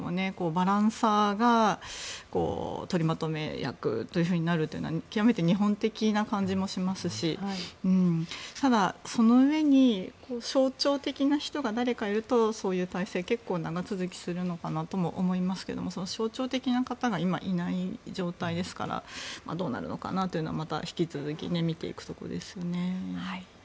バランサーが取りまとめ役となるというのは極めて日本的な感じもしますしただ、その上に象徴的な人が誰かいるとそういう体制は結構、長続きするのかなとも思いますけれどその象徴的な方が今、いない状態ですからどうなるのかなというのはまた引き続き見ていくところですね。